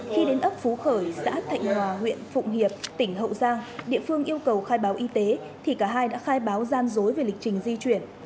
khi đến ấp phú khởi xã thạnh hòa huyện phụng hiệp tỉnh hậu giang địa phương yêu cầu khai báo y tế thì cả hai đã khai báo gian dối về lịch trình di chuyển